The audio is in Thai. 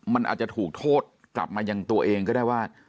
มันอาจจะถูกโทษกลับมายังตัวเองก็ได้ว่า